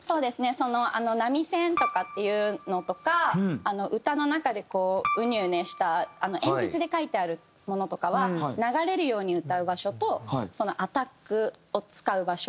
その波線とかっていうのとか歌の中でこううねうねした鉛筆で書いてあるものとかは流れるように歌う場所とそのアタックを使う場所。